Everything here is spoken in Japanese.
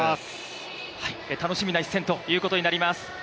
楽しみな一戦ということになります。